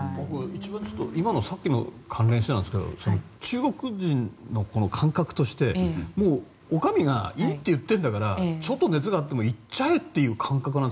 さっきのに関連してなんですが中国人の感覚としてもう、お上がいいって言っているんだからちょっと熱があっても行っちゃえという感覚なのか。